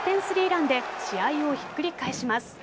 ３ランで試合をひっくり返します。